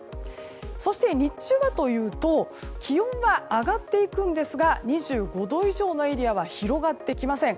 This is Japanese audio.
そして、日中はというと気温は上がっていくんですが２５度以上のエリアは広がってきません。